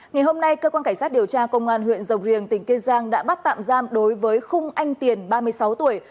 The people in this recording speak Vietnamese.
ngày hôm nay cơ quan cảnh sát điều tra công an huyện rồng riềng tỉnh kiên giang đã bắt tạm giam đối với khung anh tiền ba mươi sáu tuổi